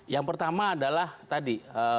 yang pertama adalah tadi